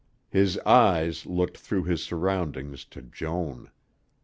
His eyes looked through his surroundings to Joan.